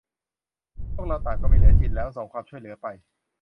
พวกเราต่างก็ไม่เหลือจินแล้ว : ส่งความช่วยเหลือไป !